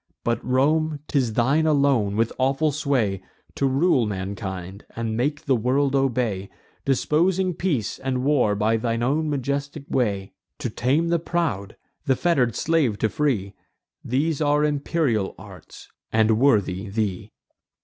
But, Rome, 'tis thine alone, with awful sway, To rule mankind, and make the world obey, Disposing peace and war by thy own majestic way; To tame the proud, the fetter'd slave to free: These are imperial arts, and worthy thee."